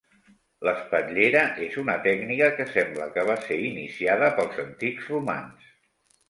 L'espatllera és una tècnica que sembla que va ser iniciada pels antics romans.